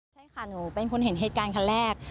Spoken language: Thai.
ใช่ค่ะหนูเป็นคนเห็นเหตุการณ์คันแรก